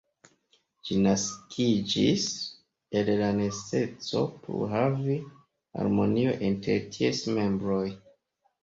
Ĝi naskiĝis el la neceso pluhavi harmonion inter ties membroj.